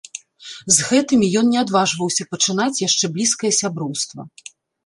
З гэтымі ён не адважваўся пачынаць яшчэ блізкае сяброўства.